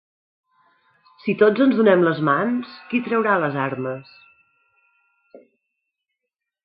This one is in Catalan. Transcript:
Si tots ens donem les mans, qui traurà les armes?